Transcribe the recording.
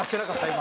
今。